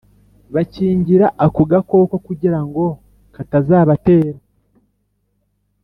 bakikingira ako gakoko kugirango katazabatera